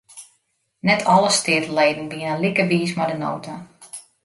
Net alle steateleden wienen like wiis mei de nota.